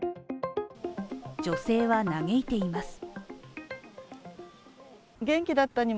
女性は嘆いています。